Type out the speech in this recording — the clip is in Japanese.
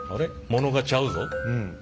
モノがちゃうぞ。